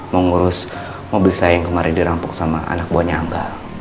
mengurus mobil saya yang kemarin dirampok sama anak buahnya angga